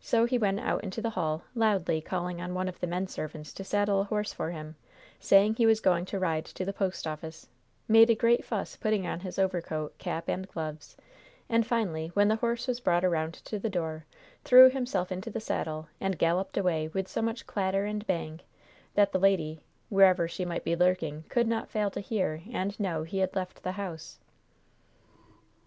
So he went out into the hall, loudly called on one of the men servants to saddle a horse for him, saying he was going to ride to the post office, made a great fuss putting on his overcoat, cap and gloves, and finally, when the horse was brought around to the door, threw himself into the saddle, and galloped away with so much clatter and bang that the lady, wherever she might be lurking, could not fail to hear and know that he had left the house.